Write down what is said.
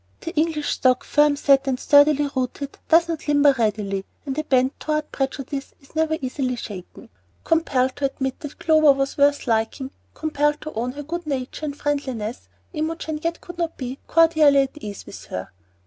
The English stock, firm set and sturdily rooted, does not "limber" readily, and a bent toward prejudice is never easily shaken. Compelled to admit that Clover was worth liking, compelled to own her good nature and friendliness, Imogen yet could not be cordially at ease with her.